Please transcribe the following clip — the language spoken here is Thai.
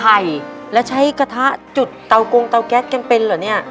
ไข่แล้วใช้กระทะจุดเตากงเตาแก๊สจำเป็นเหรอเนี่ย